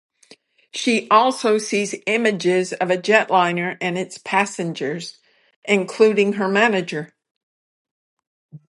She also sees images of a jetliner and its passengers, including her manager.